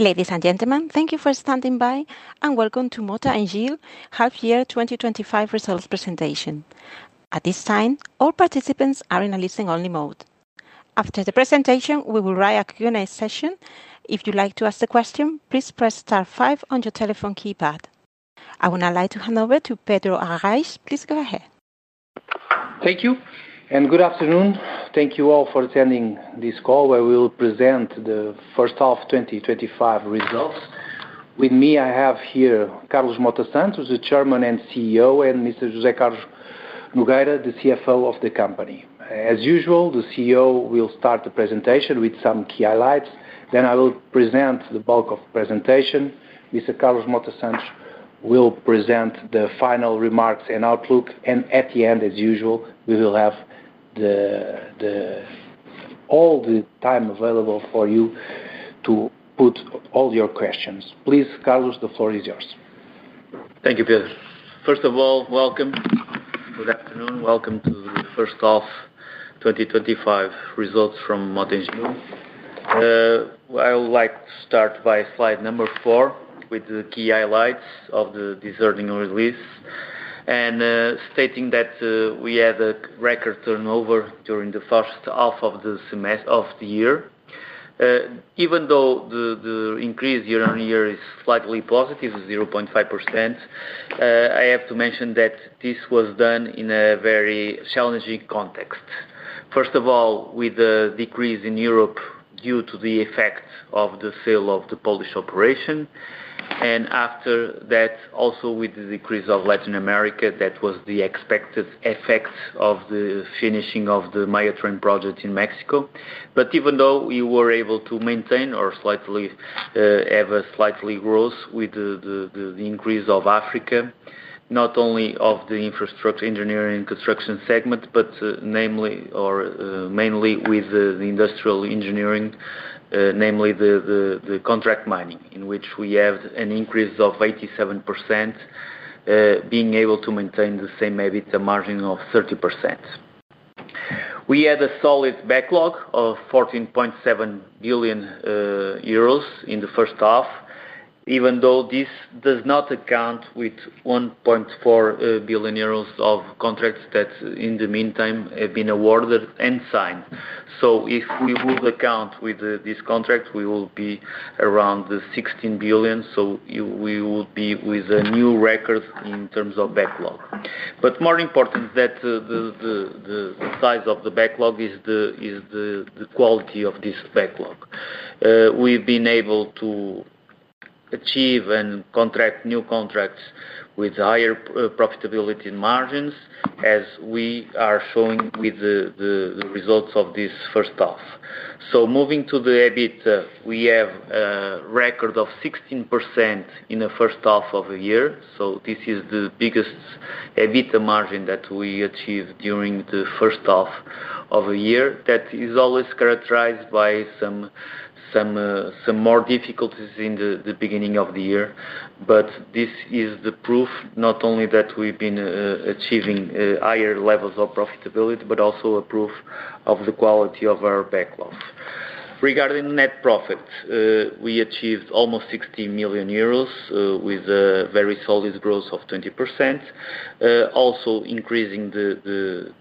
Ladies and gentlemen, thank you for standing by and welcome to Mota-Engil Half Year 2025 Results Presentation. At this time, all participants are in a listening-only mode. After the presentation, we will run a Q&A session. If you'd like to ask a question, please press *5 on your telephone keypad. I would now like to hand over to Pedro Arrais. Please go ahead. Thank you, and good afternoon. Thank you all for attending this call where we will present the first half of 2025 results. With me, I have here Carlos Mota dos Santos, the Chairman and CEO, and Mr. José Carlos Nogueira, the CFO of the company. As usual, the CEO will start the presentation with some key highlights. Then I will present the bulk of the presentation. Mr. Carlos Mota dos Santos will present the final remarks and outlook, and at the end, as usual, we will have all the time available for you to put all your questions. Please, Carlos, the floor is yours. Thank you, Pedro. First of all, welcome. Good afternoon. Welcome to the first half 2025 results from Mota-Engil. I would like to start by slide number four with the key highlights of this early new release and stating that we had a record turnover during the first half of the year. Even though the increase year on year is slightly positive, 0.5%, I have to mention that this was done in a very challenging context. First of all, with the decrease in Europe due to the effect of the sale of the Polish operation, and after that, also with the decrease of Latin America, that was the expected effect of the finishing of the high-speed train project in Mexico. Even though we were able to maintain or slightly have a slight growth with the increase of Africa, not only of the infrastructure engineering and construction segment, but mainly with the industrial engineering, namely the contract mining, in which we had an increase of 87%, being able to maintain the same EBITDA margin of 30%. We had a solid backlog of 14.7 billion euros in the first half, even though this does not account for 1.4 billion euros of contracts that in the meantime had been awarded and signed. If we would account for these contracts, we would be around 16 billion. We would be with a new record in terms of backlog. More important than the size of the backlog is the quality of this backlog. We've been able to achieve and contract new contracts with higher profitability and margins, as we are showing with the results of this first half. Moving to the EBITDA, we have a record of 16% in the first half of the year. This is the biggest EBITDA margin that we achieved during the first half of the year. That is always characterized by some more difficulties in the beginning of the year. This is the proof not only that we've been achieving higher levels of profitability, but also a proof of the quality of our backlog. Regarding net profit, we achieved almost 16 million euros with a very solid growth of 20%, also increasing the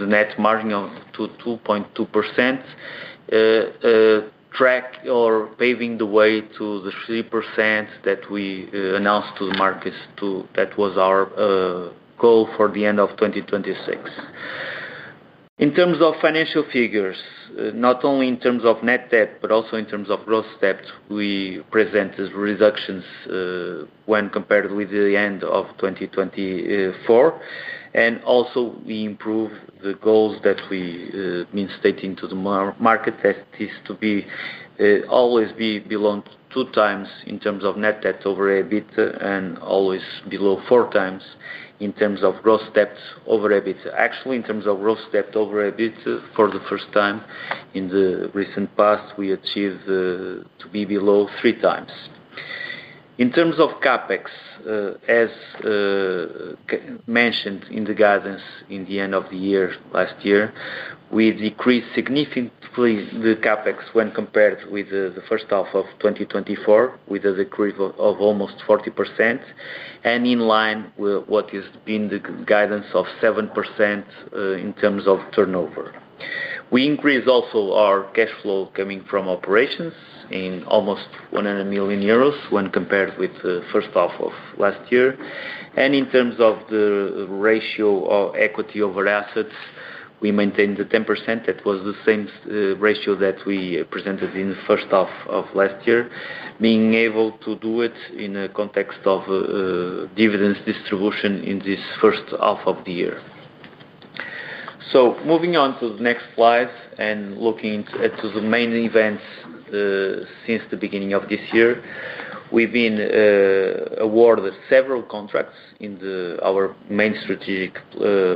net margin to 2.2%, paving the way to the 3% that we announced to the markets that was our goal for the end of 2026. In terms of financial figures, not only in terms of net debt, but also in terms of gross debt, we presented reductions when compared with the end of 2024. We improved the goals that we've been stating to the market, that is to always belong to 2x in terms of net debt over EBITDA and always below 4x in terms of gross debt over EBITDA. Actually, in terms of gross debt over EBITDA, for the first time in the recent past, we achieved to be below 3x. In terms of CapEx, as mentioned in the guidance at the end of the year last year, we decreased significantly the CapEx when compared with the first half of 2024, with a decrease of almost 40% and in line with what has been the guidance of 7% in terms of turnover. We increased also our cash flow coming from operations in almost 1 million euros when compared with the first half of last year. In terms of the ratio of equity over assets, we maintained the 10%. That was the same ratio that we presented in the first half of last year, being able to do it in the context of dividends distribution in this first half of the year. Moving on to the next slide and looking at the main events since the beginning of this year, we've been awarded several contracts in our main strategic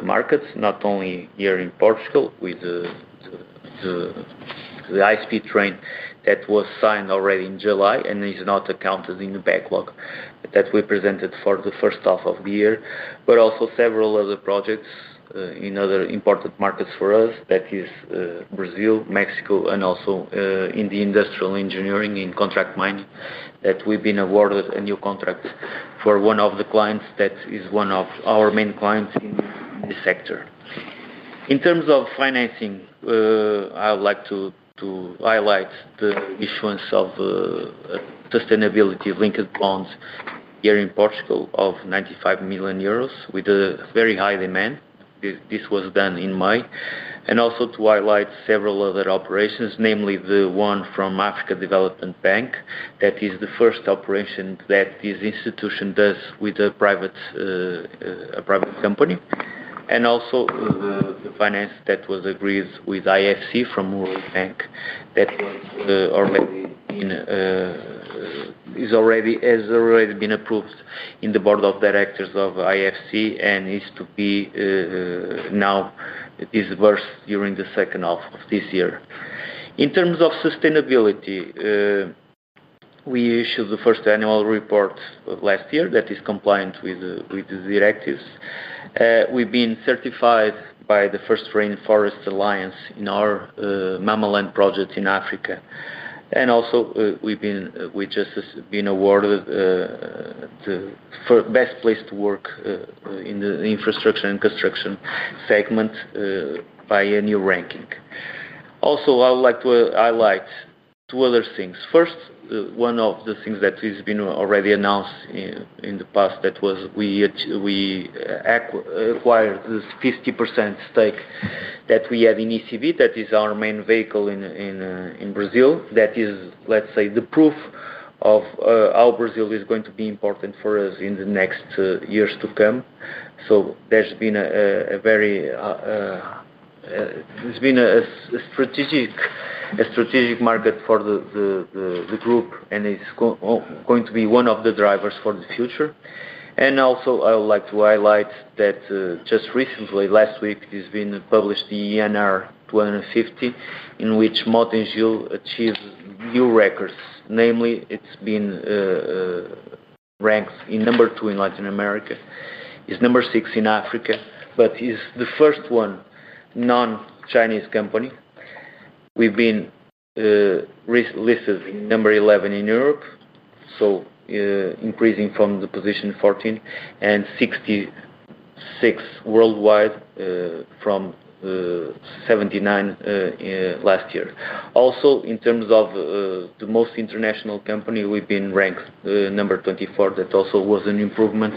markets, not only here in Portugal with the high-speed train that was signed already in July and is not accounted in the backlog that we presented for the first half of the year, but also several other projects in other important markets for us, that is Brazil, Mexico, and also in the industrial engineering and contract mining that we've been awarded a new contract for one of the clients that is one of our main clients in this sector. In terms of financing, I would like to highlight the issuance of sustainability-linked bonds here in Portugal of 95 million euros with a very high demand. This was done in May. I would also like to highlight several other operations, namely the one from African Development Bank. That is the first operation that this institution does with a private company. Also, the finance that was agreed with IFC from World Bank that is already been approved in the Board of Directors of IFC and is to be now disbursed during the second half of this year. In terms of sustainability, we issued the first annual report last year that is compliant with the directives. We've been certified by the first Rainforest Alliance in our mammal land project in Africa. We've just been awarded the best place to work in the infrastructure and construction segment by a new ranking. I would like to highlight two other things. First, one of the things that has been already announced in the past was we acquired the 50% stake that we had in ECB, that is our main vehicle in Brazil. That is, let's say, the proof of how Brazil is going to be important for us in the next years to come. There has been a very strategic market for the group, and it's going to be one of the drivers for the future. I would like to highlight that just recently, last week, it has been published in ENR 250, in which Mota-Engil achieves new records. Namely, it ranks number two in Latin America, is number six in Africa, but is the first one non-Chinese company. We've been listed at number 11 in Europe, increasing from position 14, and 66 worldwide from 79 last year. Also, in terms of the most international company, we've been ranked number 24. That also was an improvement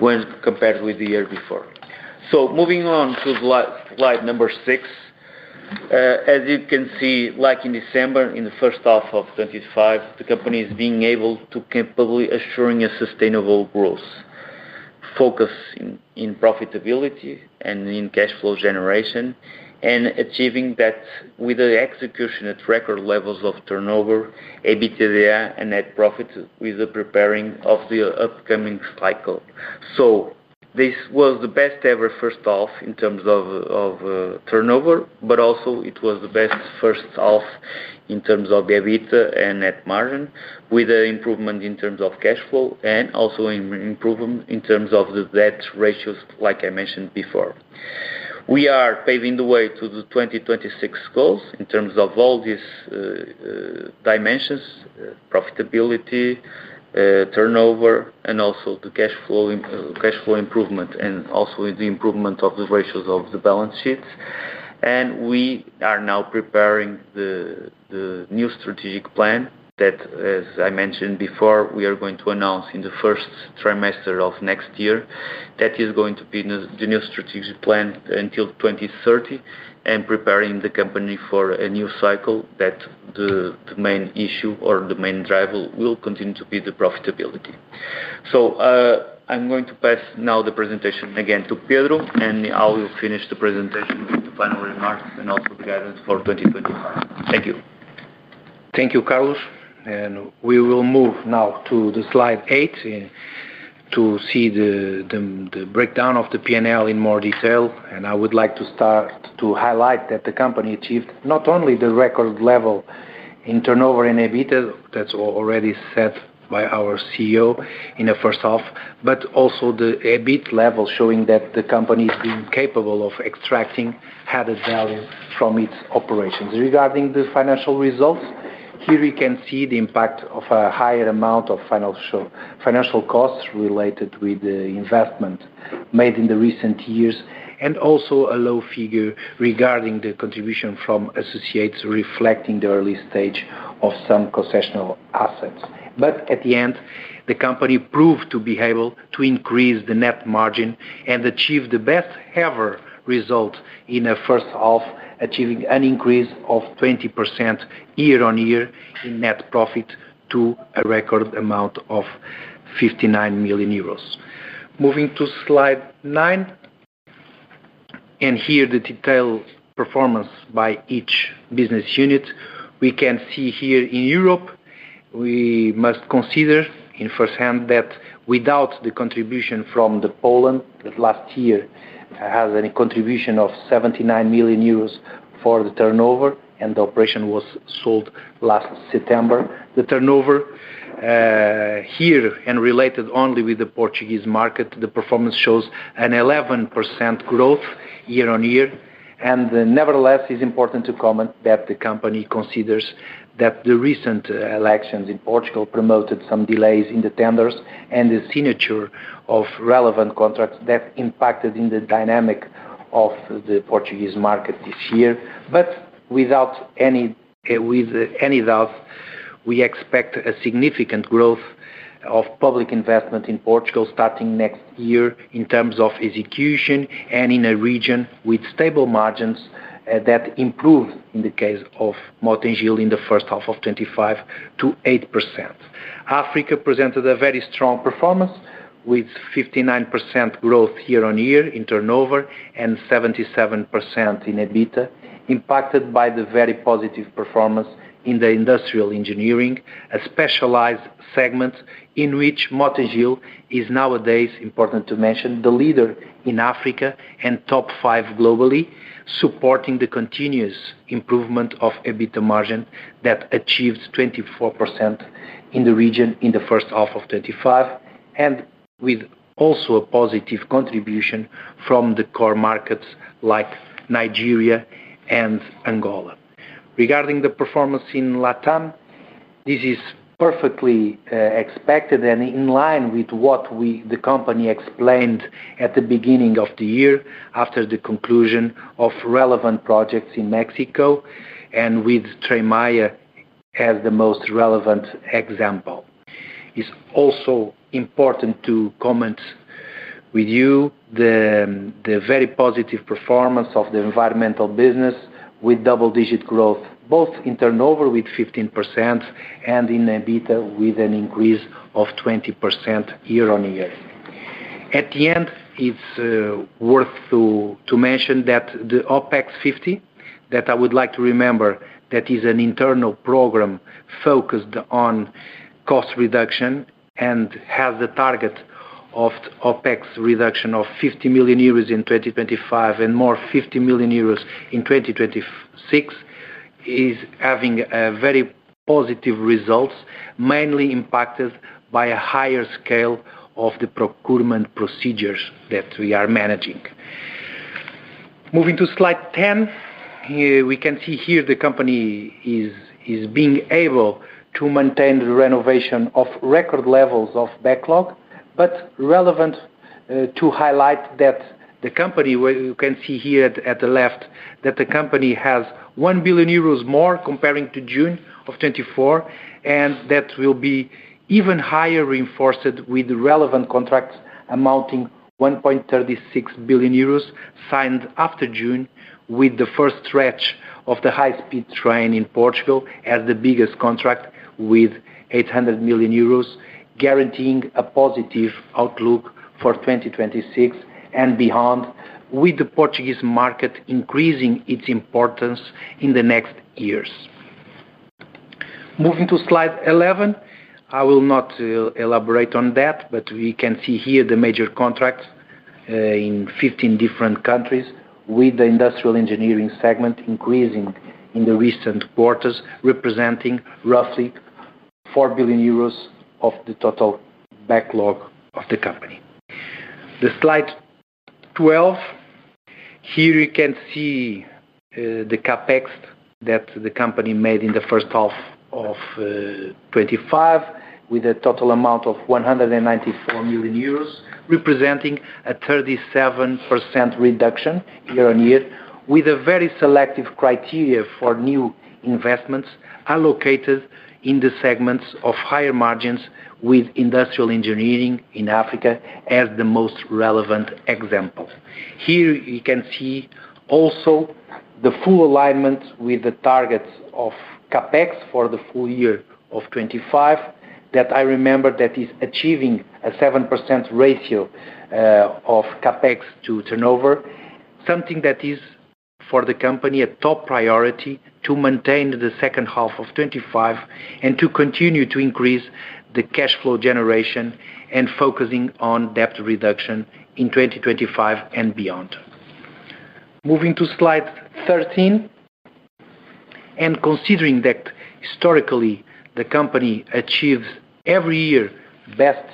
when compared with the year before. Moving on to slide number six. As you can see, like in December, in the first half of 2025, the company is being able to capably assure a sustainable growth, focusing on profitability and in cash flow generation and achieving that with the execution at record levels of turnover, EBITDA, and net profit with the preparing of the upcoming cycle. This was the best ever first half in terms of turnover, but also it was the best first half in terms of EBITDA and net margin with an improvement in terms of cash flow and also an improvement in terms of the debt ratios, like I mentioned before. We are paving the way to the 2026 goals in terms of all these dimensions: profitability, turnover, and also the cash flow improvement, and also the improvement of the ratios of the balance sheets. We are now preparing the new strategic plan that, as I mentioned before, we are going to announce in the first trimester of next year. That is going to be the new strategic plan until 2030 and preparing the company for a new cycle that the main issue or the main driver will continue to be the profitability. I'm going to pass now the presentation again to Pedro, and I will finish the presentation with the final remarks and also the guidance for 2025. Thank you. Thank you, Carlos. We will move now to slide eight to see the breakdown of the P&L in more detail. I would like to start to highlight that the company achieved not only the record level in turnover and EBITDA, as already said by our CEO in the first half, but also the EBIT level showing that the company is being capable of extracting added value from its operations. Regarding the financial results, here we can see the impact of a higher amount of financial costs related with the investment made in the recent years and also a low figure regarding the contribution from associates reflecting the early stage of some concessional assets. At the end, the company proved to be able to increase the net margin and achieve the best ever result in the first half, achieving an increase of 20% year on year in net profit to a record amount of 59 million euros. Moving to slide nine, and here the detailed performance by each business unit, we can see here in Europe, we must consider in first hand that without the contribution from Poland that last year had a contribution of 79 million euros for the turnover and the operation was sold last September. The turnover here and related only with the Portuguese market, the performance shows an 11% growth year on year. Nevertheless, it is important to comment that the company considers that the recent elections in Portugal promoted some delays in the tenders and the signature of relevant contracts that impacted the dynamic of the Portuguese market this year. Without any doubt, we expect a significant growth of public investment in Portugal starting next year in terms of execution and in a region with stable margins that improved in the case of Mota-Engil in the first half of 2025 to 8%. Africa presented a very strong performance with 59% growth year on year in turnover and 77% in EBITDA, impacted by the very positive performance in the industrial engineering, a specialized segment in which Mota-Engil is nowadays, important to mention, the leader in Africa and top five globally, supporting the continuous improvement of EBITDA margin that achieves 24% in the region in the first half of 2025 and with also a positive contribution from the core markets like Nigeria and Angola. Regarding the performance in Latam, this is perfectly expected and in line with what the company explained at the beginning of the year after the conclusion of relevant projects in Mexico and with Tren Maya as the most relevant example. It's also important to comment with you the very positive performance of the environmental business with double-digit growth, both in turnover with 15% and in EBITDA with an increase of 20% year on year. At the end, it's worth to mention that the OpEx 50 million, that I would like to remember, that is an internal program focused on cost reduction and has the target of OpEx reduction of 50 million euros in 2025 and more 50 million euros in 2026, is having very positive results, mainly impacted by a higher scale of the procurement procedures that we are managing. Moving to slide 10, we can see here the company is being able to maintain the renovation of record levels of backlog, but relevant to highlight that the company, where you can see here at the left, that the company has 1 billion euros more comparing to June of 2024, and that will be even higher reinforced with relevant contracts amounting 1.36 billion euros signed after June with the first stretch of the high-speed train project in Portugal as the biggest contract with 800 million euros, guaranteeing a positive outlook for 2026 and beyond, with the Portuguese market increasing its importance in the next years. Moving to slide 11, I will not elaborate on that, but we can see here the major contracts in 15 different countries with the industrial engineering segment increasing in the recent quarters, representing roughly 4 billion euros of the total backlog of the company. The slide 12, here you can see the CapEx that the company made in the first half of 2025 with a total amount of 194 million euros, representing a 37% reduction year on year, with a very selective criteria for new investments allocated in the segments of higher margins with industrial engineering in Africa as the most relevant example. Here you can see also the full alignment with the targets of CapEx for the full year of 2025 that I remember that is achieving a 7% ratio of CapEx to turnover, something that is for the company a top priority to maintain the second half of 2025 and to continue to increase the cash flow generation and focusing on debt reduction in 2025 and beyond. Moving to slide 13, and considering that historically the company achieves every year the best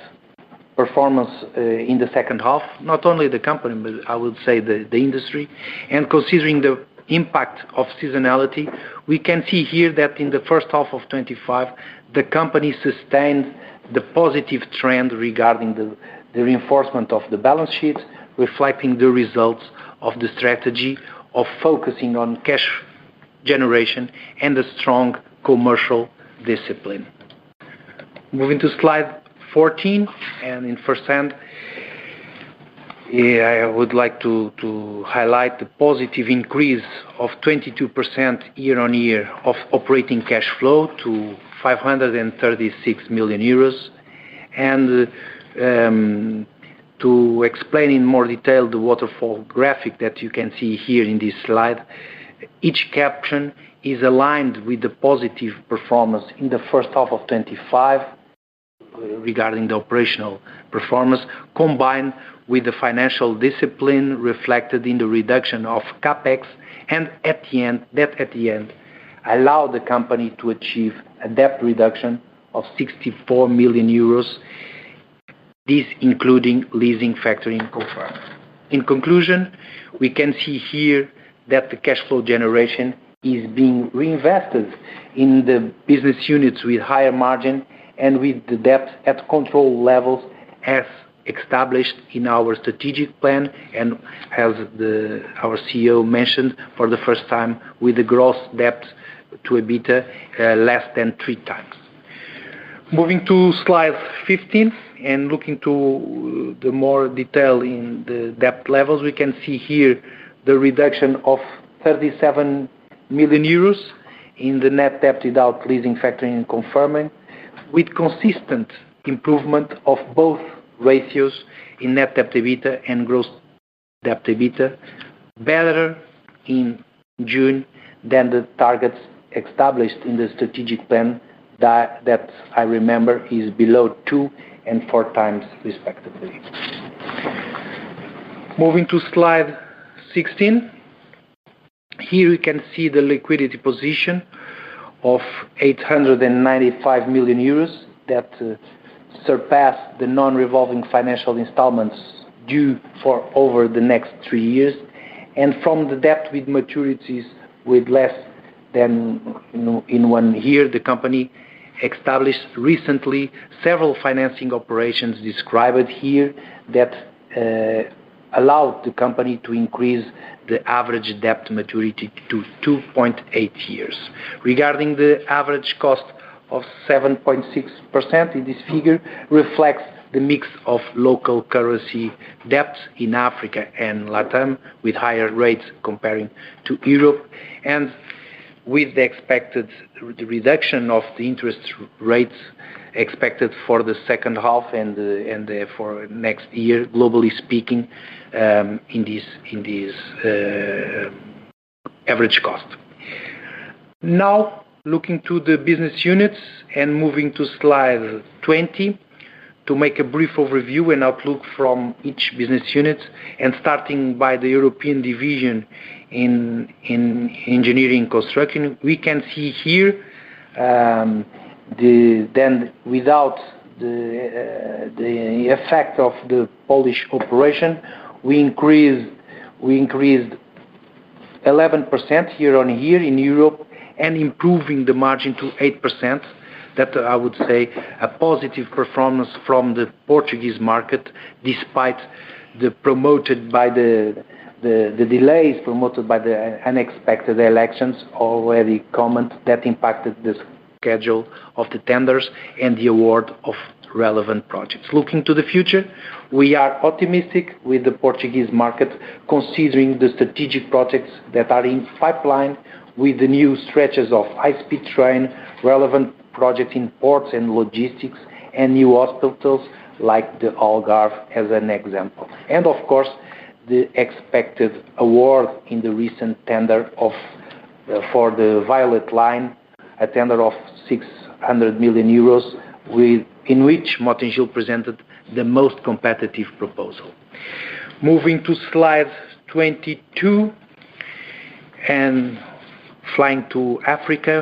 performance in the second half, not only the company, but I would say the industry, and considering the impact of seasonality, we can see here that in the first half of 2025, the company sustained the positive trend regarding the reinforcement of the balance sheets, reflecting the results of the strategy of focusing on cash generation and a strong commercial discipline. Moving to slide 14, I would like to highlight the positive increase of 22% year on year of operating cash flow to 536 million euros. To explain in more detail the waterfall graphic that you can see here in this slide, each caption is aligned with the positive performance in the first half of 2025 regarding the operational performance combined with the financial discipline reflected in the reduction of CapEx, and at the end, that allowed the company to achieve a debt reduction of 64 million euros, this including leasing factoring cover. In conclusion, we can see here that the cash flow generation is being reinvested in the business units with higher margin and with the debt at control levels as established in our strategic plan and as our CEO mentioned for the first time with the gross debt to EBITDA less than 3x. Moving to slide 15 and looking in more detail at the debt levels, we can see here the reduction of 37 million euros in the net debt without leasing factoring and confirming, with consistent improvement of both ratios in net debt to EBITDA and gross debt to EBITDA, better in June than the targets established in the strategic plan that I remember is below 2x and 4x respectively. Moving to slide 16, here we can see the liquidity position of 895 million euros that surpassed the non-revolving financial installments due for over the next three years. From the debt with maturities in less than one year, the company established recently several financing operations described here that allowed the company to increase the average debt maturity to 2.8 years. Regarding the average cost of 7.6%, this figure reflects the mix of local currency debts in Africa and Latam with higher rates compared to Europe and with the expected reduction of the interest rates expected for the second half and for next year, globally speaking, in this average cost. Now, looking to the business units and moving to slide 20 to make a brief overview and outlook from each business unit and starting by the European division in engineering and construction, we can see here that without the effect of the Polish operation, we increased 11% year on year in Europe and improving the margin to 8%. That I would say a positive performance from the Portuguese market despite the delays promoted by the unexpected elections already commented that impacted the schedule of the tenders and the award of relevant projects. Looking to the future, we are optimistic with the Portuguese market considering the strategic projects that are in pipeline with the new stretches of high-speed train, relevant projects in ports and logistics, and new hospitals like the Algarve as an example. Of course, the expected award in the recent tender for the Violet Line, a tender of 600 million euros, in which Mota-Engil presented the most competitive proposal. Moving to slide 22 and flying to Africa,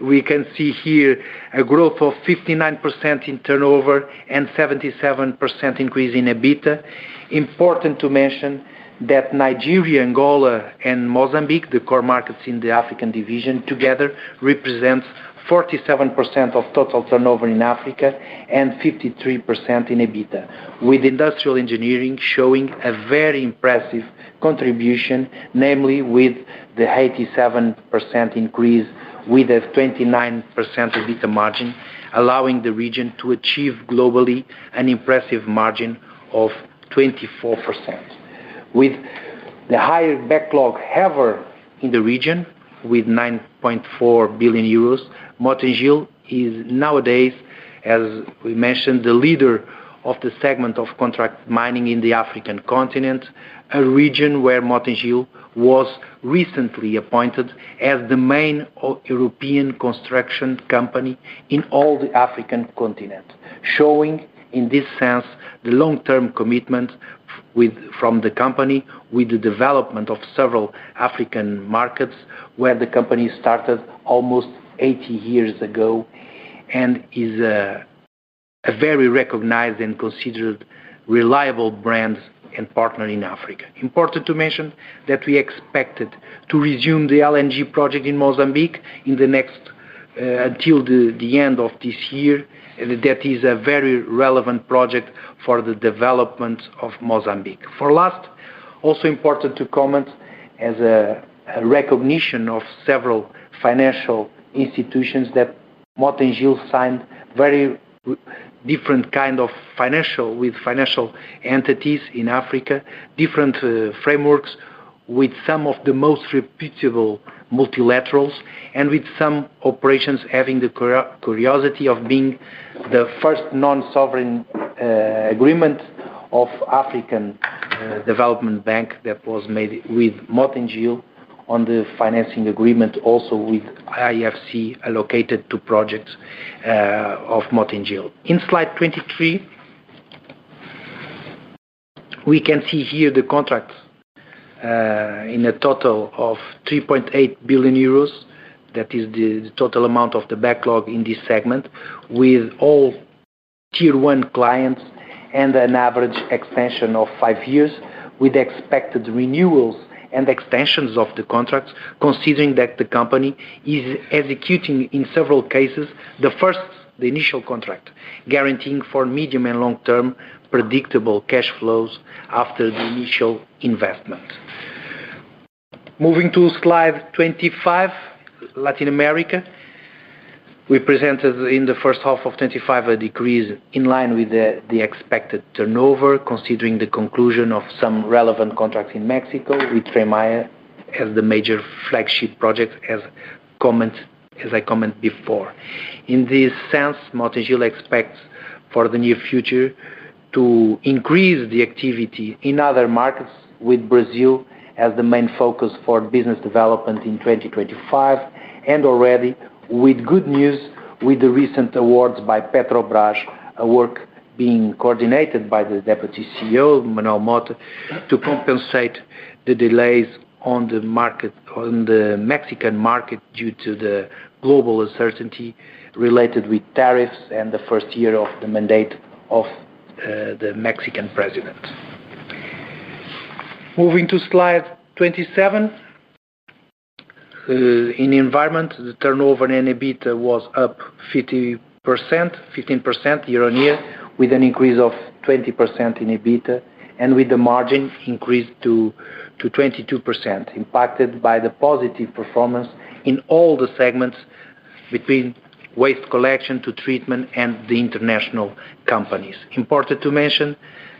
we can see here a growth of 59% in turnover and 77% increase in EBITDA. Important to mention that Nigeria, Angola, and Mozambique, the core markets in the African division together, represent 47% of total turnover in Africa and 53% in EBITDA, with industrial engineering showing a very impressive contribution, namely with the 87% increase with a 29% EBITDA margin, allowing the region to achieve globally an impressive margin of 24%. With the higher backlog ever in the region with 9.4 billion euros, Mota-Engil is nowadays, as we mentioned, the leader of the segment of contract mining in the African continent, a region where Mota-Engil was recently appointed as the main European construction company in all the African continent, showing in this sense the long-term commitment from the company with the development of several African markets where the company started almost 80 years ago and is a very recognized and considered reliable brand and partner in Africa. Important to mention that we expected to resume the LNG project in Mozambique in the next until the end of this year, and that is a very relevant project for the development of Mozambique. For last, also important to comment as a recognition of several financial institutions that Mota-Engil signed very different kinds of financial with financial entities in Africa, different frameworks with some of the most reputable multilaterals and with some operations having the curiosity of being the first non-sovereign agreement of African Development Bank that was made with Mota-Engil on the financing agreement also with IFC allocated to projects of Mota-Engil. In slide 23, we can see here the contract in a total of 3.8 billion euros. That is the total amount of the backlog in this segment with all tier one clients and an average extension of five years with expected renewals and extensions of the contracts considering that the company is executing in several cases the first, the initial contract, guaranteeing for medium and long-term predictable cash flows after the initial investment. Moving to slide 25, Latin America, we presented in the first half of 2025 a decrease in line with the expected turnover considering the conclusion of some relevant contracts in Mexico with Tren Maya as the major flagship project, as I commented before. In this sense, Mota-Engil expects for the near future to increase the activity in other markets with Brazil as the main focus for business development in 2025 and already with good news with the recent awards by Petrobras, a work being coordinated by the Deputy CEO, Manuel Mota, to compensate the delays on the Mexican market due to the global uncertainty related with tariffs and the first year of the mandate of the Mexican president. Moving to slide 27, in the environment, the turnover in EBITDA was up 15% year on year with an increase of 20% in EBITDA and with the margin increased to 22% impacted by the positive performance in all the segments between waste collection to treatment and the international companies. Important to mention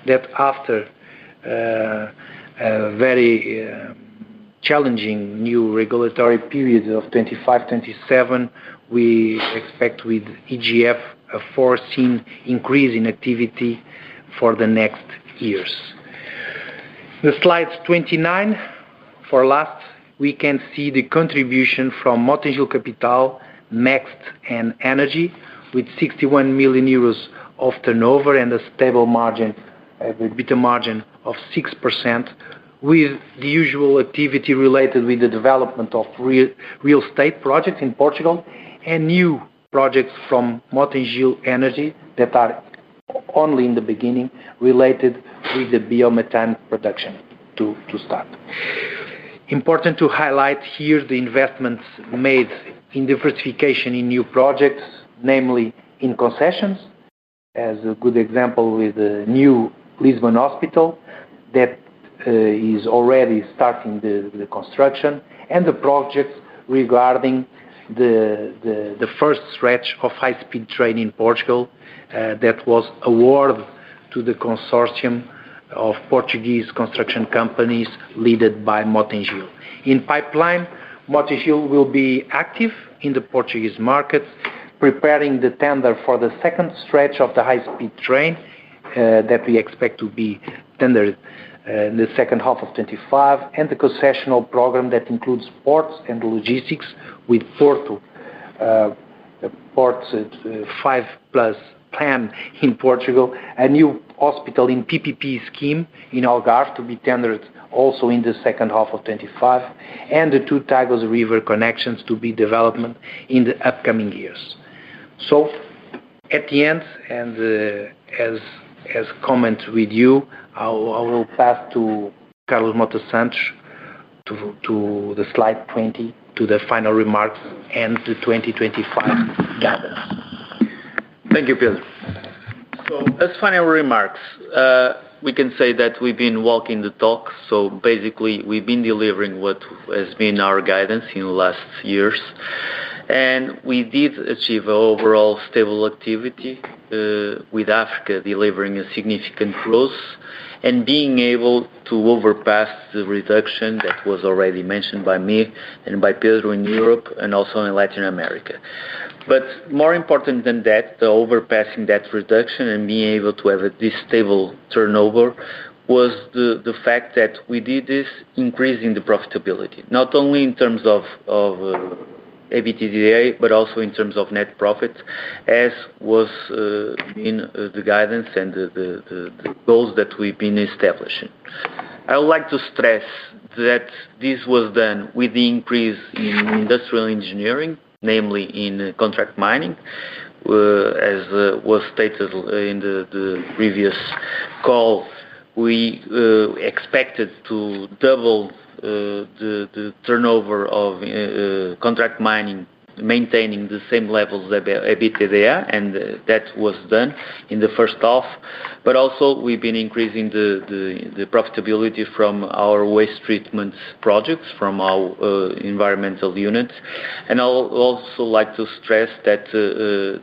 that after a very challenging new regulatory period of 2025-2027, we expect with EGF a foreseen increase in activity for the next years. The slides 29, for last, we can see the contribution from Mota-Engil Capital, MEXT, and Energy with 61 million euros of turnover and a stable margin, EBITDA margin of 6% with the usual activity related with the development of real estate projects in Portugal and new projects from Mota-Engil Energy that are only in the beginning related with the biomethane production to start. Important to highlight here the investments made in diversification in new projects, namely in concessions, as a good example with the new Lisbon hospital that is already starting the construction and the projects regarding the first stretch of high-speed train in Portugal that was awarded to the consortium of Portuguese construction companies led by Mota-Engil. In pipeline, Mota-Engil will be active in the Portuguese markets, preparing the tender for the second stretch of the high-speed train that we expect to be tendered in the second half of 2025 and the concessional program that includes ports and logistics with Porto Ports at [5+ plans] in Portugal, a new hospital in PPP scheme in Algarve to be tendered also in the second half of 2025, and the two Tagus River connections to be developed in the upcoming years. At the end, as comment with you, I will pass to Carlos Mota dos Santos to the slide 20 to the final remarks and the 2025 guidance. Thank you, Pedro. As final remarks, we can say that we've been walking the talk. Basically, we've been delivering what has been our guidance in the last years. We did achieve an overall stable activity with Africa delivering a significant growth and being able to overpass the reduction that was already mentioned by me and by Pedro in Europe and also in Latin America. More important than that, overpassing that reduction and being able to have this stable turnover was the fact that we did this increasing the profitability, not only in terms of EBITDA, but also in terms of net profits, as was in the guidance and the goals that we've been establishing. I would like to stress that this was done with the increase in industrial engineering, namely in contract mining. As was stated in the previous call, we expected to double the turnover of contract mining, maintaining the same levels of EBITDA, and that was done in the first half. Also, we've been increasing the profitability from our waste treatment projects from our environmental units. I would also like to stress that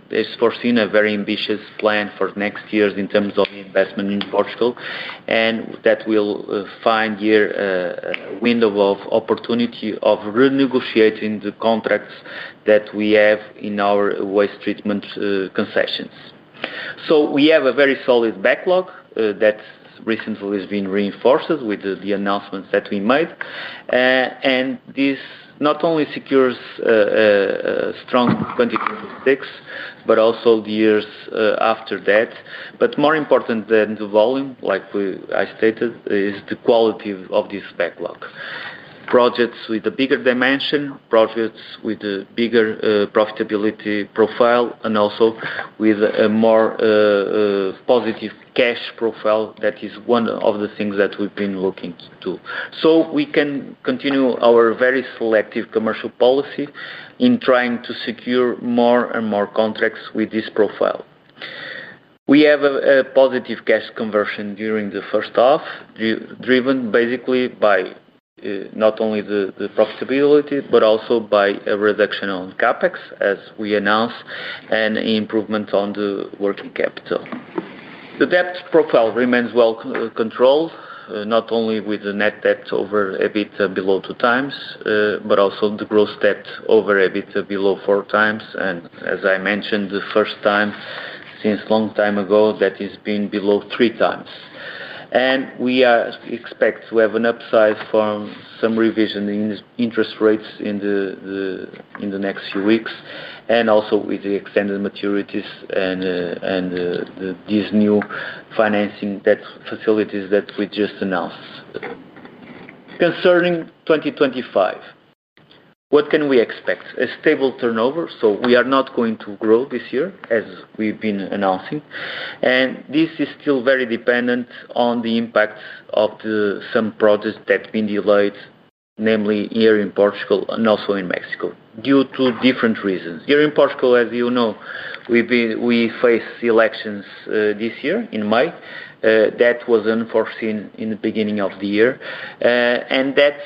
it's foreseen a very ambitious plan for next year in terms of the investment in Portugal, and that we'll find here a window of opportunity of renegotiating the contracts that we have in our waste treatment concessions. We have a very solid backlog that recently has been reinforced with the announcements that we made. This not only secures strong 2026, but also the years after that. More important than the volume, like I stated, is the quality of this backlog. Projects with a bigger dimension, projects with a bigger profitability profile, and also with a more positive cash profile, that is one of the things that we've been looking to. We can continue our very selective commercial policy in trying to secure more and more contracts with this profile. We have a positive cash conversion during the first half, driven basically by not only the profitability, but also by a reduction on CapEx, as we announced, and an improvement on the working capital. The debt profile remains well controlled, not only with the net debt over EBITDA below 2x, but also the gross debt over EBITDA below 4x. As I mentioned, the first time since a long time ago, that has been below 3x. We expect to have an upside from some revision in interest rates in the next few weeks, and also with the extended maturities and these new financing facilities that we just announced. Concerning 2025, what can we expect? A stable turnover. We are not going to grow this year, as we've been announcing. This is still very dependent on the impacts of some projects that have been delayed, namely here in Portugal and also in Mexico, due to different reasons. Here in Portugal, as you know, we face elections this year in May. That was unforeseen in the beginning of the year. That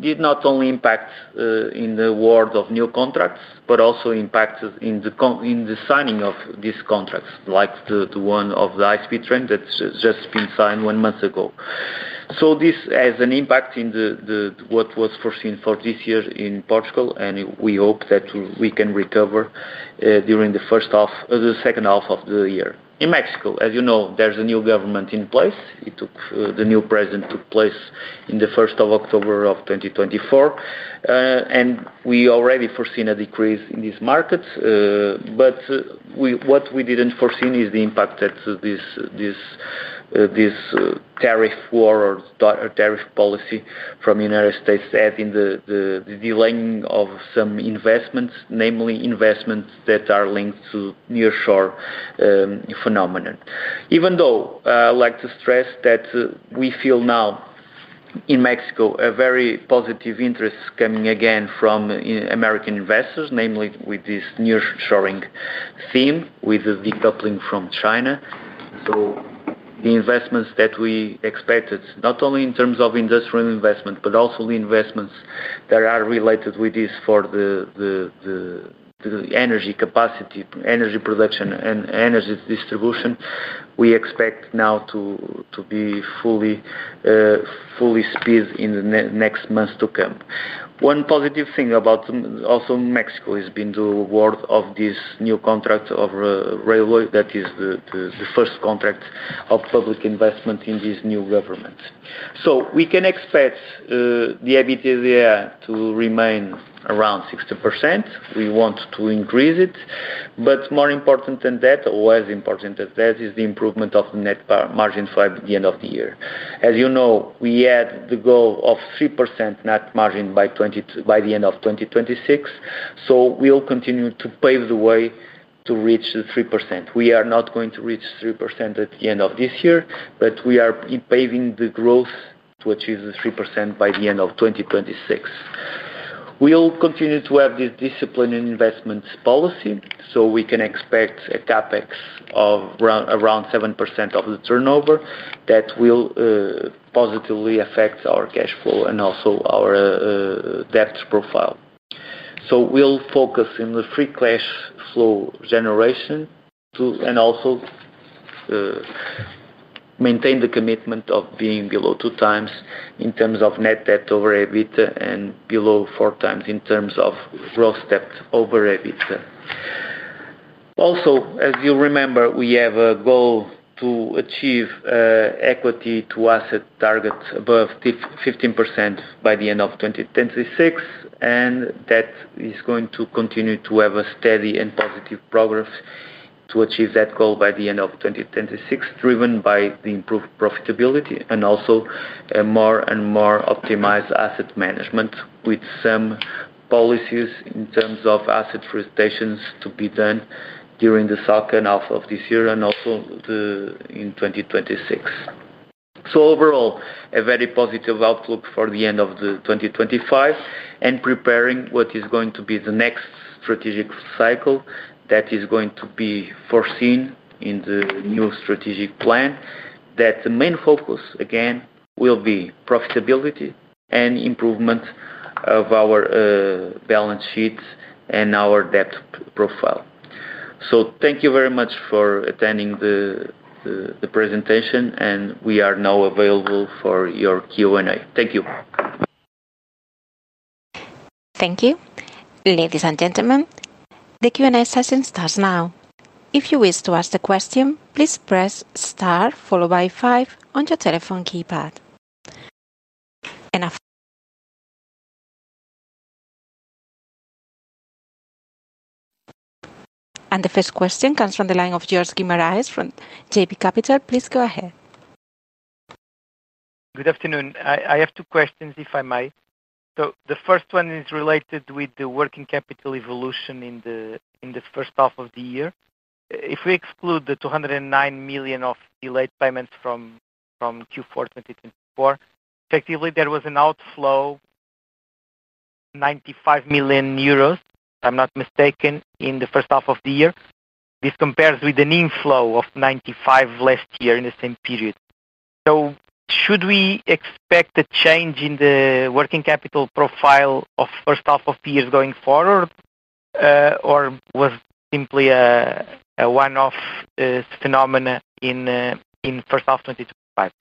did not only impact the award of new contracts, but also impacted the signing of these contracts, like the one of the high-speed train that's just been signed one month ago. This has an impact in what was foreseen for this year in Portugal, and we hope that we can recover during the first half of the second half of the year. In Mexico, as you know, there's a new government in place. The new president took place on the 1st of October of 2024. We already foreseen a decrease in this market. What we didn't foresee is the impact that this tariff war or tariff policy from the United States had in the delaying of some investments, namely investments that are linked to nearshore phenomenon. Even though I like to stress that we feel now in Mexico a very positive interest coming again from American investors, namely with this nearshoring theme with the decoupling from China. The investments that we expected, not only in terms of industrial investment, but also the investments that are related with this for the energy capacity, energy production, and energy distribution, we expect now to be fully spent in the next months to come. One positive thing about also Mexico has been the award of this new contract of railway. That is the first contract of public investment in this new government. We can expect the EBITDA to remain around 60%. We want to increase it. More important than that, or as important as that, is the improvement of net margin by the end of the year. As you know, we had the goal of 3% net margin by the end of 2026. We'll continue to pave the way to reach the 3%. We are not going to reach 3% at the end of this year, but we are paving the growth to achieve the 3% by the end of 2026. We'll continue to have this discipline in investments policy. We can expect a CapEx of around 7% of the turnover that will positively affect our cash flow and also our debt profile. We'll focus on the free cash flow generation and also maintain the commitment of being below 2x in terms of net debt over EBITDA and below 4x in terms of gross debt over EBITDA. Also, as you remember, we have a goal to achieve an equity-to-asset target above 15% by the end of 2026. That is going to continue to have a steady and positive progress to achieve that goal by the end of 2026, driven by the improved profitability and also a more and more optimized asset management with some policies in terms of asset restations to be done during the second half of this year and also in 2026. Overall, a very positive outlook for the end of 2025 and preparing what is going to be the next strategic cycle that is going to be foreseen in the new strategic plan that the main focus, again, will be profitability and improvement of our balance sheets and our debt profile. Thank you very much for attending the presentation, and we are now available for your Q&A. Thank you. Thank you. Ladies and gentlemen, the Q&A session starts now. If you wish to ask a question, please press star, followed by five on your telephone keypad. The first question comes from the line of Jorge Guimaraes from JP Capital. Please go ahead. Good afternoon. I have two questions, if I might. The first one is related with the working capital evolution in the first half of the year. If we exclude the 209 million of delayed payments from Q4 2024, effectively, there was an outflow of 95 million euros, if I'm not mistaken, in the first half of the year. This compares with an inflow of 95 million last year in the same period. Should we expect a change in the working capital profile of the first half of the year going forward, or was it simply a one-off phenomenon in the first half of 2025?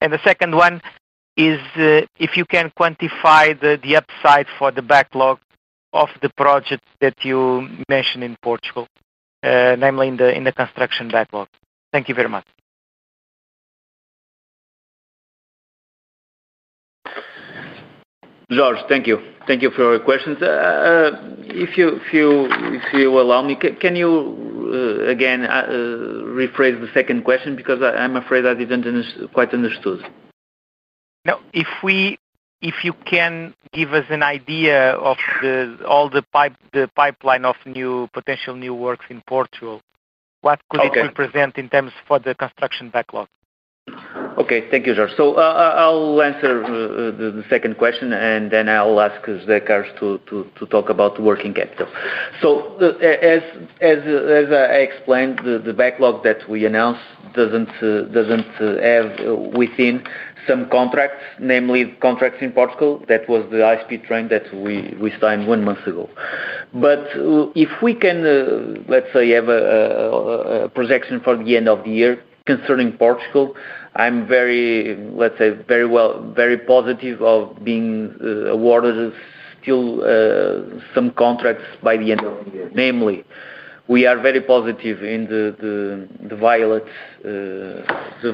The second one is if you can quantify the upside for the backlog of the project that you mentioned in Portugal, namely in the construction backlog. Thank you very much. Jorge, thank you. Thank you for your questions. If you allow me, can you again rephrase the second question? I'm afraid I didn't quite understood. No. If you can give us an idea of all the pipeline of potential new works in Portugal, what could it represent in terms of the construction backlog? Okay. Thank you, Jorge. I'll answer the second question, and then I'll ask José Carlos to talk about the working capital. As I explained, the backlog that we announced doesn't have within some contracts, namely the contracts in Portugal. That was the high-speed train project that we signed one month ago. If we can, let's say, have a projection for the end of the year concerning Portugal, I'm very, let's say, very positive of being awarded still some contracts by the end of the year. Namely, we are very positive in the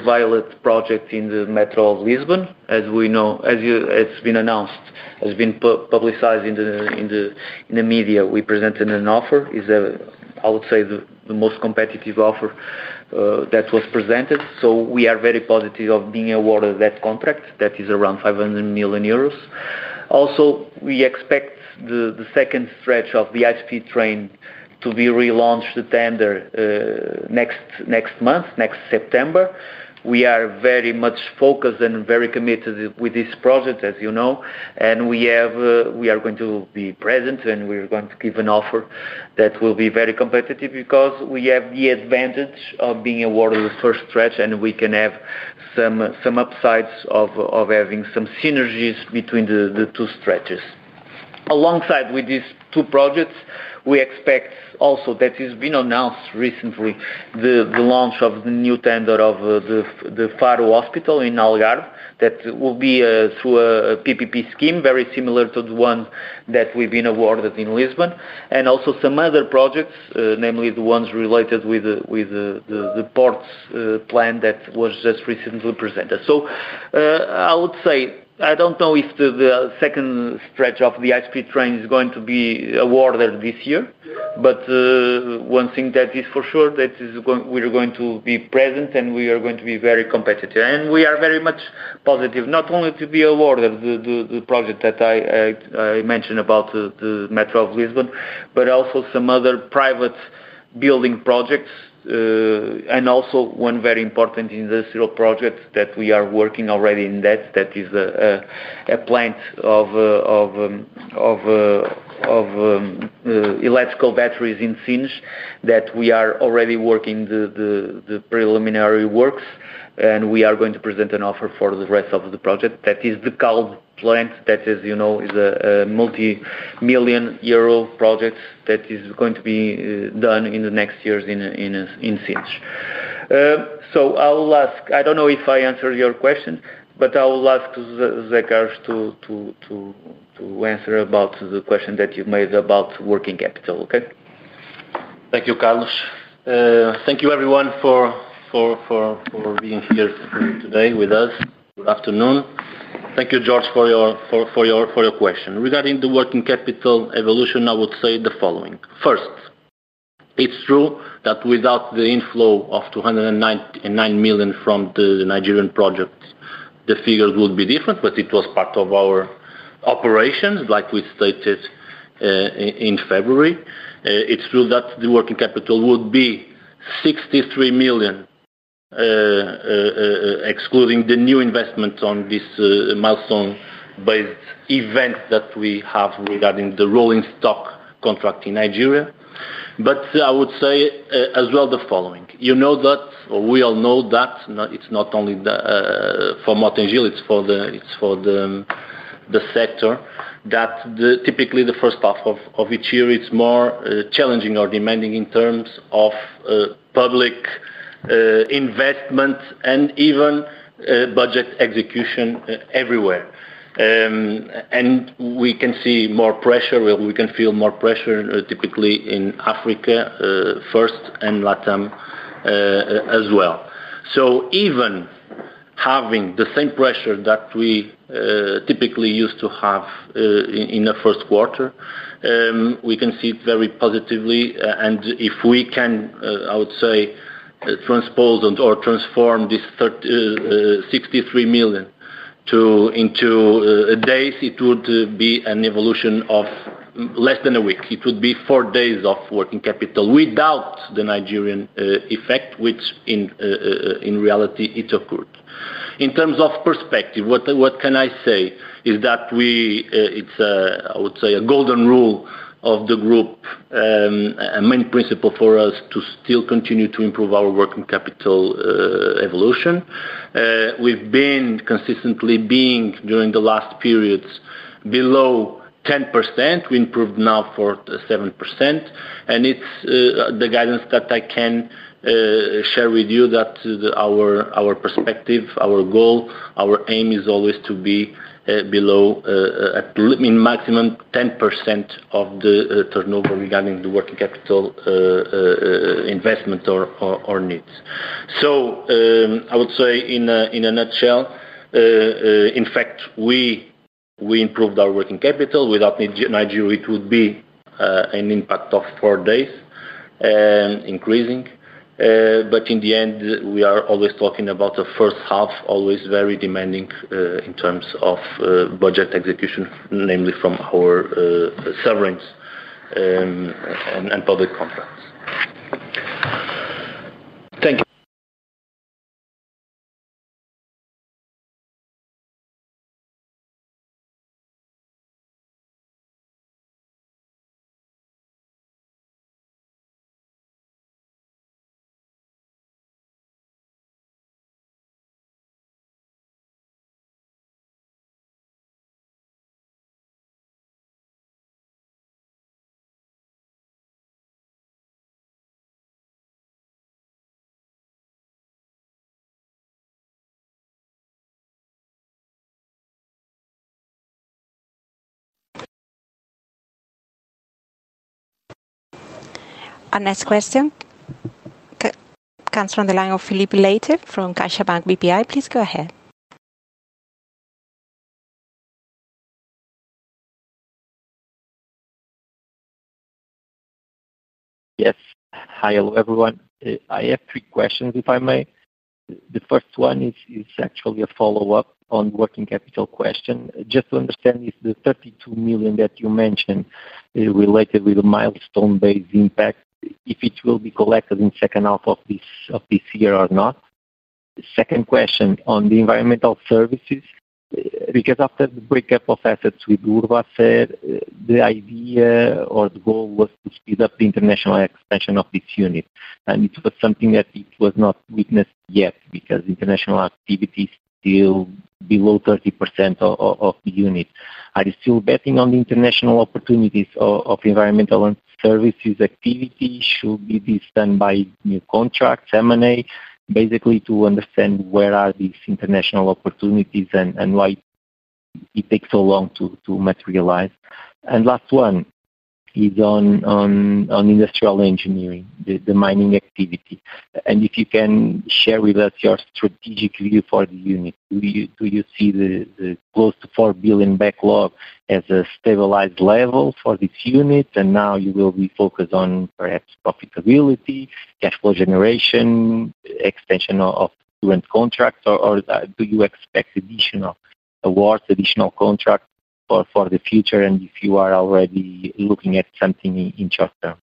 Violet project in the metro of Lisbon. As we know, as it's been announced, has been publicized in the media, we presented an offer. It's, I would say, the most competitive offer that was presented. We are very positive of being awarded that contract. That is around 500 million euros. We expect the second stretch of the high-speed train project to be relaunched to tender next month, next September. We are very much focused and very committed with this project, as you know. We are going to be present, and we're going to give an offer that will be very competitive because we have the advantage of being awarded the first stretch, and we can have some upsides of having some synergies between the two stretches. Alongside with these two projects, we expect also that, as has been announced recently, the launch of the new tender of the Faro Hospital in Algarve. That will be through a PPP scheme, very similar to the one that we've been awarded in Lisbon. Also, some other projects, namely the ones related with the ports plan that was just recently presented. I would say, I don't know if the second stretch of the high-speed train project is going to be awarded this year, but one thing that is for sure, we're going to be present and we are going to be very competitive. We are very much positive, not only to be awarded the project that I mentioned about the metro of Lisbon, but also some other private building projects. Also, one very important industrial project that we are working already in that. That is a plant of electrical batteries in Sines that we are already working the preliminary works, and we are going to present an offer for the rest of the project. That is the CALB Plant that, as you know, is a multi-million euro project that is going to be done in the next years in Sines. I don't know if I answered your question, but I will ask José Carlos to answer about the question that you made about working capital, okay? Thank you, Carlos. Thank you, everyone, for being here today with us. Good afternoon. Thank you, Jorge, for your question. Regarding the working capital evolution, I would say the following. First, it's true that without the inflow of 209 million from the Nigerian project, the figures would be different, but it was part of our operations, like we stated in February. It's true that the working capital would be 63 million, excluding the new investment on this milestone-based event that we have regarding the rolling stock contract in Nigeria. I would say as well the following. You know that, or we all know that, it's not only for Mota-Engil, it's for the sector that typically the first half of each year is more challenging or demanding in terms of public investment and even budget execution everywhere. We can see more pressure, we can feel more pressure typically in Africa first and Latam as well. Even having the same pressure that we typically used to have in the first quarter, we can see it very positively. If we can, I would say, transpose or transform this 63 million into days, it would be an evolution of less than a week. It would be four days of working capital without the Nigerian effect, which in reality, it occurred. In terms of perspective, what can I say is that we, it's a, I would say, a golden rule of the group, a main principle for us to still continue to improve our working capital evolution. We've been consistently being during the last periods below 10%. We improved now for 7%. It's the guidance that I can share with you that our perspective, our goal, our aim is always to be below, I mean, maximum 10% of the turnover regarding the working capital investment or needs. I would say in a nutshell, in fact, we improved our working capital. Without Nigeria, it would be an impact of four days increasing. In the end, we are always talking about the first half, always very demanding in terms of budget execution, namely from our severance and public compounds. Thank you. Our next question comes from the line of Filipe Leite from CaixaBank BPI. Please go ahead. Yes. Hi, hello, everyone. I have three questions, if I may. The first one is actually a follow-up on the working capital question. Just to understand, is the 32 million that you mentioned related with the milestone-based impact, if it will be collected in the second half of this year or not? The second question on the environmental services, because after the breakup of assets with Urbaser, the idea or the goal was to speed up the international extension of this unit. It was something that was not witnessed yet because international activity is still below 30% of the unit. Are you still betting on the international opportunities of environmental and services activity? Should this be done by new contracts? M&A, basically to understand where are these international opportunities and why it takes so long to materialize. Last one is on industrial engineering, the mining activity. If you can share with us your strategic view for the unit, do you see the close to 4 billion backlog as a stabilized level for this unit? Now you will be focused on perhaps profitability, cash flow generation, extension of current contracts, or do you expect additional awards, additional contracts for the future? If you are already looking at something in the short term.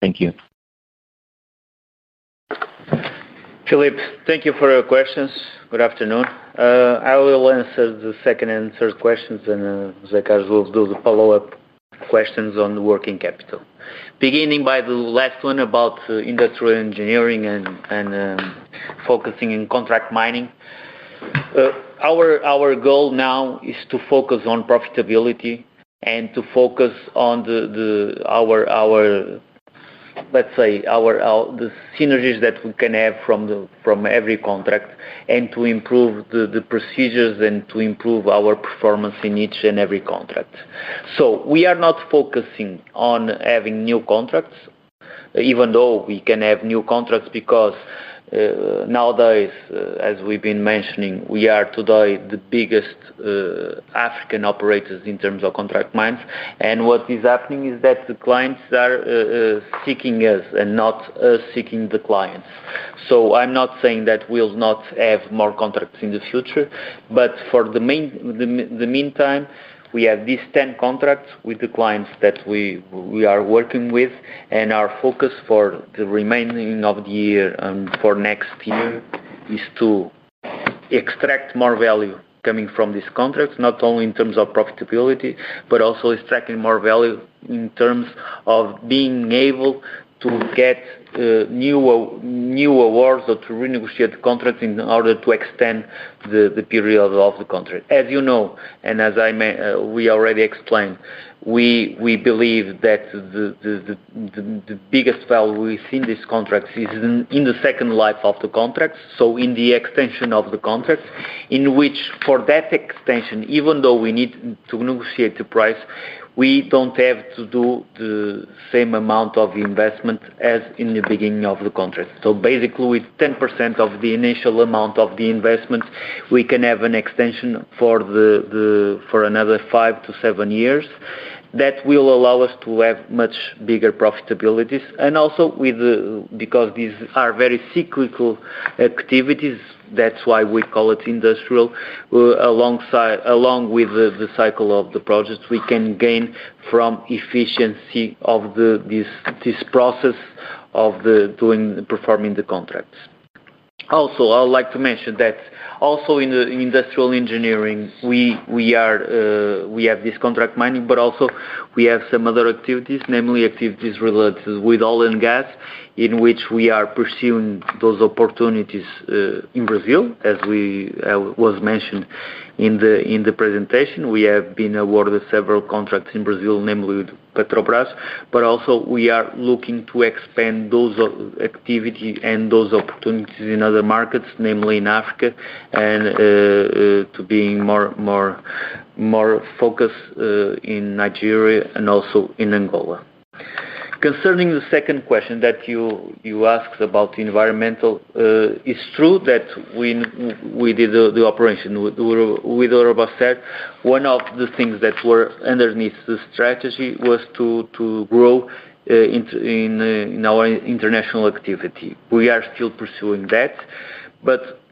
Thank you. Filipe, thank you for your questions. Good afternoon. I will answer the second and third questions, and José Carlos will do the follow-up questions on the working capital. Beginning by the last one about industrial engineering and focusing on contract mining, our goal now is to focus on profitability and to focus on the, let's say, the synergies that we can have from every contract and to improve the procedures and to improve our performance in each and every contract. We are not focusing on having new contracts, even though we can have new contracts because nowadays, as we've been mentioning, we are today the biggest African operators in terms of contract mining. What is happening is that the clients are seeking us and not us seeking the client. I'm not saying that we'll not have more contracts in the future, but for the meantime, we have these 10 contracts with the clients that we are working with. Our focus for the remaining of the year and for next year is to extract more value coming from these contracts, not only in terms of profitability, but also extracting more value in terms of being able to get new awards or to renegotiate the contracts in order to extend the period of the contract. As you know, and as I may we already explained, we believe that the biggest value within these contracts is in the second life of the contracts. In the extension of the contracts, for that extension, even though we need to negotiate the price, we don't have to do the same amount of investment as in the beginning of the contract. Basically, with 10% of the initial amount of the investments, we can have an extension for another five to seven years. That will allow us to have much bigger profitabilities. Also, because these are very cyclical activities, that's why we call it industrial. Along with the cycle of the projects, we can gain from efficiency of this process of performing the contracts. I would like to mention that also in the industrial engineering, we have this contract mining, but also we have some other activities, namely activities related with oil and gas, in which we are pursuing those opportunities in Brazil. As was mentioned in the presentation, we have been awarded several contracts in Brazil, namely with Petrobras. We are looking to expand those activities and those opportunities in other markets, namely in Africa and to be more focused in Nigeria and also in Angola. Concerning the second question that you asked about the environmental, it's true that when we did the operation with Urba, one of the things that were underneath the strategy was to grow in our international activity. We are still pursuing that.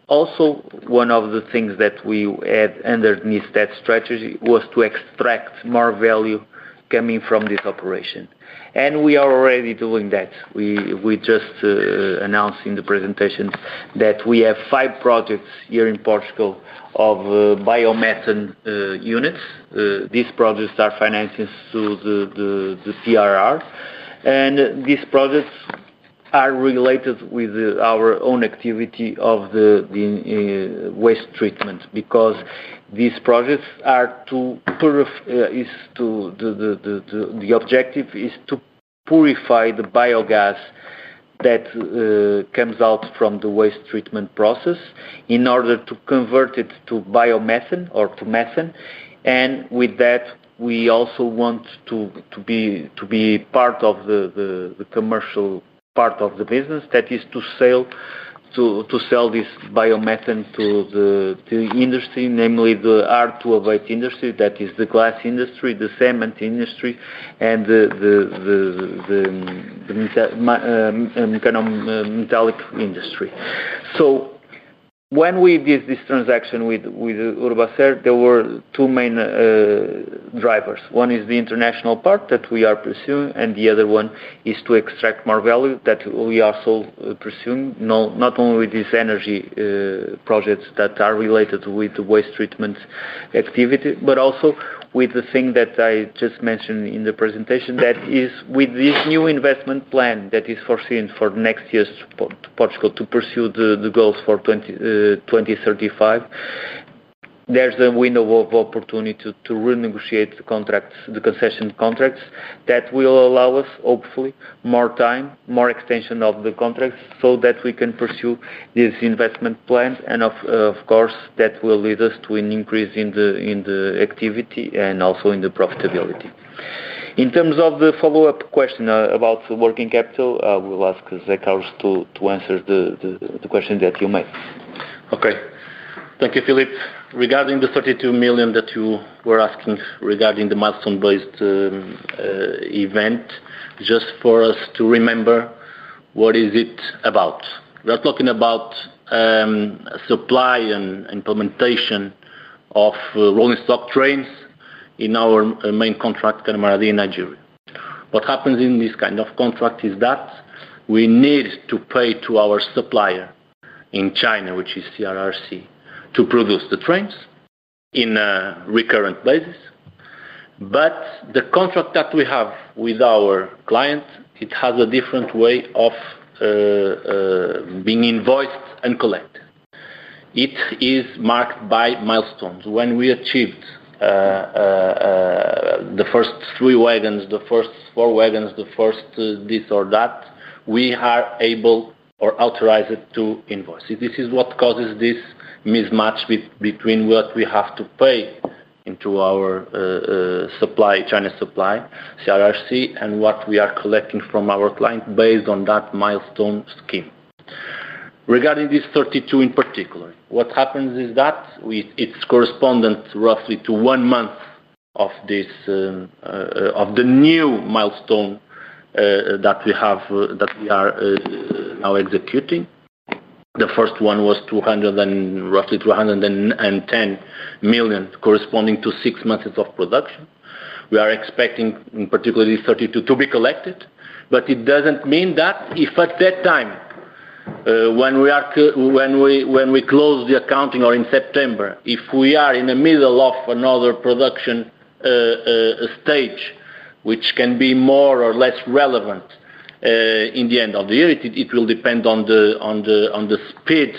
One of the things that we had underneath that strategy was to extract more value coming from this operation. We are already doing that. We just announced in the presentation that we have five projects here in Portugal of biomethane units. These projects are financed through the CRR. These projects are related with our own activity of the waste treatment because these projects are to purify the biogas that comes out from the waste treatment process in order to convert it to biomethane or to methane. With that, we also want to be part of the commercial part of the business that is to sell this biomethane to the industry, namely the R2 of 8 industry, that is the glass industry, the cement industry, and the metallic industry. When we did this transaction with Urbaser, there were two main drivers. One is the international part that we are pursuing, and the other one is to extract more value that we are also pursuing, not only with these energy projects that are related with the waste treatment activity, but also with the thing that I just mentioned in the presentation that is with this new investment plan that is foreseen for next year's Portugal to pursue the goals for 2035. There is a window of opportunity to renegotiate the concession contracts that will allow us, hopefully, more time, more extension of the contracts so that we can pursue these investment plans. Of course, that will lead us to an increase in the activity and also in the profitability. In terms of the follow-up question about working capital, I will ask José Carlos to answer the question that you may. Okay. Thank you, Filipe. Regarding the 32 million that you were asking regarding the milestone-based event, just for us to remember what is it about. We are talking about a supply and implementation of rolling stock trains in our main contract, [Camarin Engil]. What happens in this kind of contract is that we need to pay to our supplier in China, which is CRRC, to produce the trains on a recurrent basis. The contract that we have with our client has a different way of being invoiced and collected. It is marked by milestones. When we achieved the first three wagons, the first four wagons, the first this or that, we are able or authorized to invoice. This is what causes this mismatch between what we have to pay into our supply, China supply, CRRC, and what we are collecting from our client based on that milestone scheme. Regarding this 32 million in particular, what happens is that it's correspondent roughly to one month of the new milestone that we are now executing. The first one was roughly 210 million corresponding to six months of production. We are expecting in particular this 32 million to be collected, but it doesn't mean that if at that time, when we close the accounting or in September, if we are in the middle of another production stage, which can be more or less relevant in the end of the year, it will depend on the speed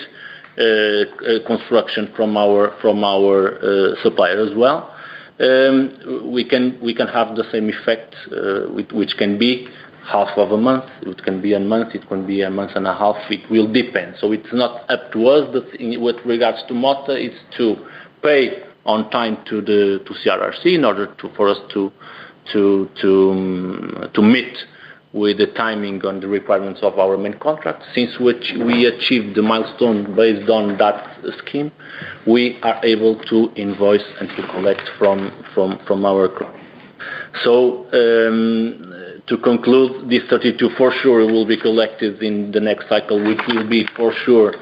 of construction from our supplier as well. We can have the same effect, which can be half of a month. It can be a month. It can be a month and a half. It will depend. It's not up to us with regards to Mota-Engil. It's to pay on time to CRRC in order for us to meet with the timing on the requirements of our main contract. Since we achieved the milestone based on that scheme, we are able to invoice and to collect from our client. To conclude, this 32 million for sure will be collected in the next cycle, which will be for sure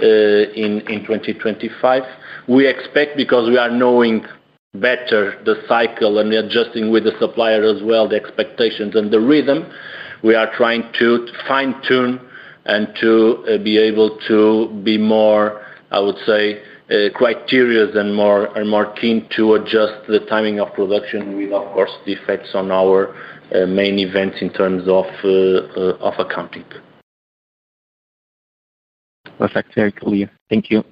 in 2025. We expect, because we are knowing better the cycle and we're adjusting with the supplier as well, the expectations and the rhythm, we are trying to fine-tune and to be able to be more, I would say, quite serious and more keen to adjust the timing of production with our defects on our main events in terms of accounting. Perfect. Very clear. Thank you.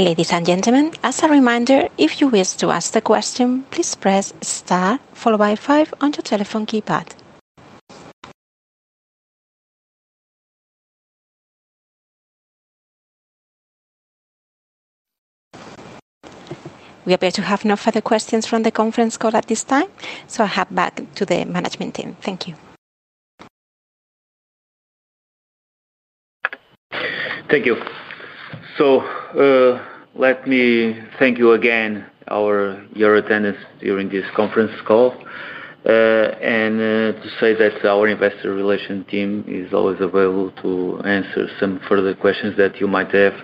Ladies and gentlemen, as a reminder, if you wish to ask a question, please press star, followed by five on your telephone keypad. We appear to have no further questions from the conference call at this time. I'll hand back to the management team. Thank you. Thank you. Let me thank you again for your attendance during this conference call. I want to say that our Investor Relations team is always available to answer any further questions that you might have,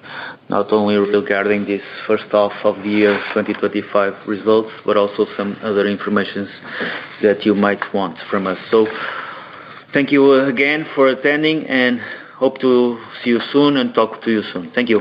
not only regarding this first half of the year 2025 results, but also any other information that you might want from us. Thank you again for attending, and hope to see you soon and talk to you soon. Thank you.